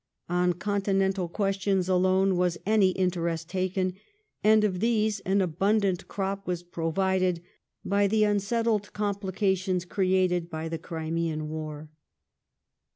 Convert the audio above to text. On continental questions Alone was any interest taken, and of these an abundant i)rop was provided by the unsettled complications created by the Crimean war.